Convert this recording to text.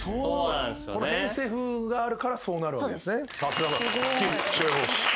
この偏西風があるからそうなるわけですね。